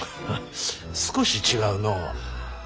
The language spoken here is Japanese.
少し違うのう。